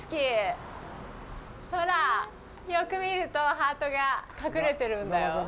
よく見るとハートが隠れてるんだよ。